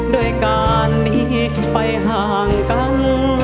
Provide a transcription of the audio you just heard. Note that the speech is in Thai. ด้วยการหนีไปห่างกัน